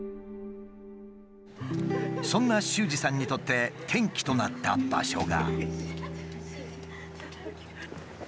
そんな秀司さんにとって転機となった場所が。